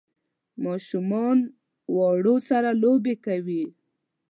ماشومان واورو سره لوبې کوي